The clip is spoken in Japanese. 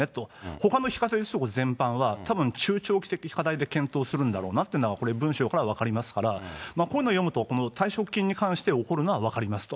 ほかの非課税所得全般は、たぶん中長期的課題で検討するんだろうなというのは、これ文章から分かりますから、こういうのを読むと、この退職金に関しておこるのは分かりますと。